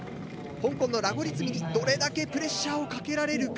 香港のラゴリ積みにどれだけプレッシャーをかけられるか。